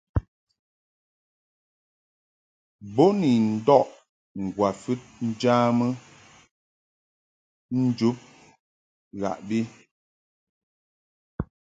Bo ni ndɔʼ ŋgwafɨd njamɨ njub ghaʼbi.